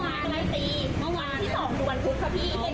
คุณพี่ทั้งหมดบอกว่าต้องต้องรบกวนให้ดูแลตัวเอง